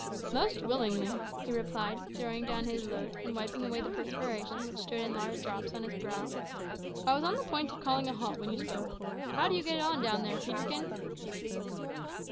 "Most willingly," he replied, throwing down his load, and wiping away the perspiration which stood in large drops on his brow. "I was on the point of calling a halt when you spoke. How do you get on down there, Peterkin?"